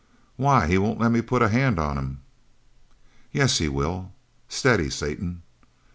"Why, he won't let me put a hand on him." "Yes, he will. Steady, Satan!"